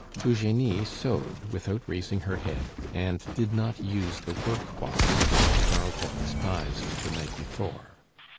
Eugenie sewed without raising her head, and did not use the workbox which Charles had despised the night before.